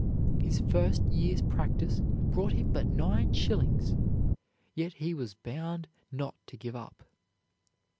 His first year's practice brought him but nine shillings, yet he was bound not to give up.